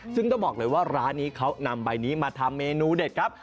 ซึ่งต้องบอกเลยว่าร้านนี้เขานำใบนี้มาทำเมนูเด็ดครับ